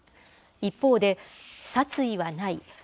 一方で、殺意はない。